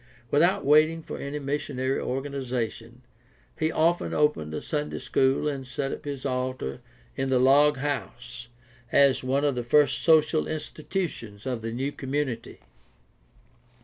Without waiting for any missionary organization he often opened a Sunday school and set up his altar in the log house as one of the first social institutions of the new community.